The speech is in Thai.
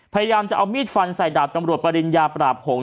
พยายามจะเอามีดฟันใส่ดาบตำรวจปริญญาปราบหงษ